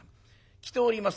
着ております